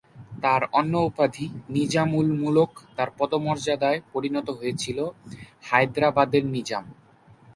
তাঁর অন্য উপাধি "নিজাম উল-মুলক" তাঁর পদমর্যাদায় পরিণত হয়েছিল "হায়দরাবাদের নিজাম"।